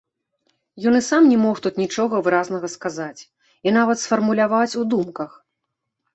Ён і сам не мог тут нічога выразнага сказаць і нават сфармуляваць у думках.